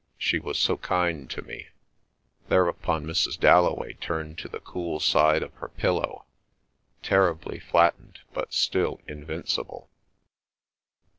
She was so kind to me." Thereupon Mrs. Dalloway turned to the cool side of her pillow, terribly flattened but still invincible.